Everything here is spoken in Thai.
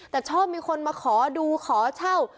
แต่ชอบมีคนมาขอดูขอเช่า